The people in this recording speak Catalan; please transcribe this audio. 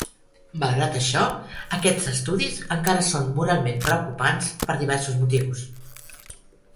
Malgrat això, aquests estudis encara són moralment preocupants per diversos motius.